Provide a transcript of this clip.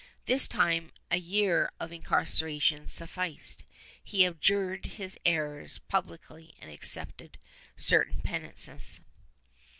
This time a year of incarceration sufficed; he abjured his errors publicly and accepted certain penances.